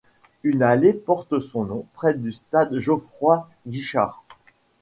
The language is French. Une allée porte son nom près du stade Geoffroy-Guichard.